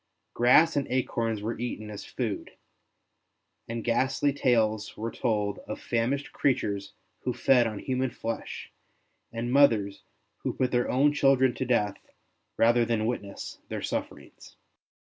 Grass and acorns were eaten as food, and ghastly tales were told of famished creatures who fed on human flesh, and mothers who put their own children to death rather than witness their sufferings.